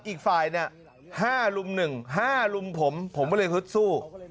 อีกฝ่ายเนี่ย๕ลุม๑๕ลุมผมผมก็เลยฮึดสู้